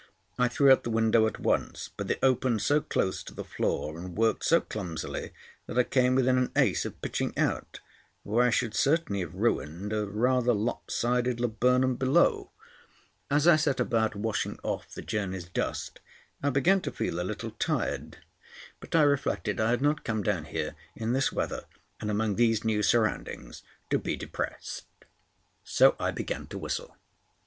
I threw up the window at once, but it opened so close to the floor and worked so clumsily that I came within an ace of pitching out, where I should certainly have ruined a rather lop sided laburnum below. As I set about washing off the journey's dust, I began to feel a little tired. But, I reflected, I had not come down here in this weather and among these new surroundings to be depressed; so I began to whistle.